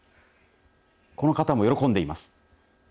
この方も喜んでいます。